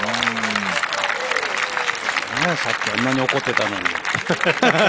さっきあんなに怒ってたのに。